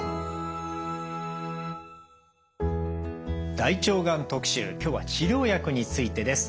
「大腸がん特集」今日は治療薬についてです。